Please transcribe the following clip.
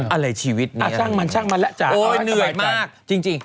อะไรชีวิตนี้